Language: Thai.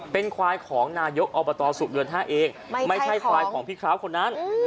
เป็นควายของนายกอบตสุกเดือน๕เองไม่ใช่ควายของพี่คร้าวคนนั้น